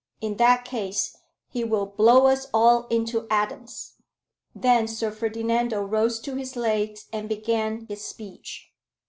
In that case, he will blow us all into atoms." Then Sir Ferdinando rose to his legs, and began his speech.